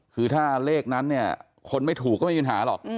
คือถ้าเลขนั้นเนี่ยคนไม่ถูกก็ไม่มีปัญหาหรอก